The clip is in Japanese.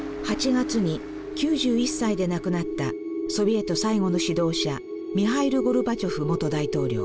８月に９１歳で亡くなったソビエト最後の指導者ミハイル・ゴルバチョフ元大統領。